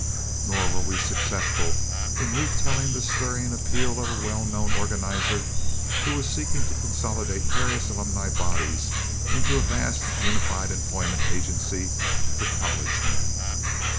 Nor were we successful in retelling the stirring appeal of a well known organizer who was seeking to consolidate various alumni bodies into a vast unified employment agency for college men.